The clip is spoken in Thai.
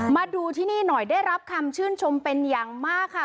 มาดูที่นี่หน่อยได้รับคำชื่นชมเป็นอย่างมากค่ะ